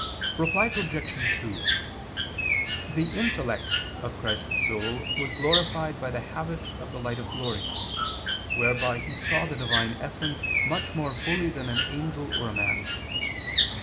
Reply Obj. 2: The intellect of Christ's soul was glorified by the habit of the light of glory, whereby He saw the Divine essence much more fully than an angel or a man.